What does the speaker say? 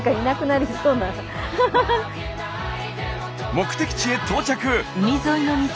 目的地へ到着。